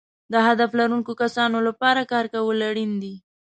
د هدف لرونکو کسانو لپاره کار کول اړین دي.